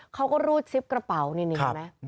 เขาก็รูดซิปกระเป๋านี่เห็นไหม